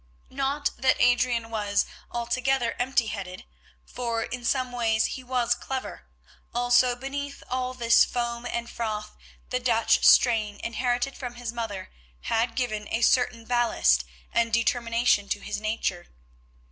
Not that Adrian was altogether empty headed, for in some ways he was clever; also beneath all this foam and froth the Dutch strain inherited from his mother had given a certain ballast and determination to his nature.